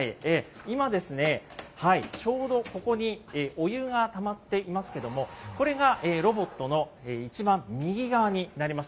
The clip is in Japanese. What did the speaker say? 今ですね、ちょうどここにお湯がたまっていますけども、これがロボットのいちばん右側になります。